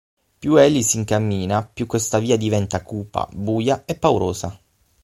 Più egli si incammina, più questa via diventa cupa, buia e paurosa.